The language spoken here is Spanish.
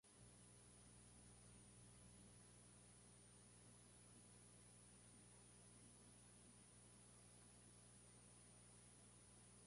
Protagonizada por Linda Blair y Jim Bray en los papeles principales.